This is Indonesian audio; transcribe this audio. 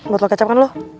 gue tau kecap kan lo